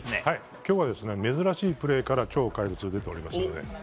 今日は珍しいプレーから超怪物出ていますので。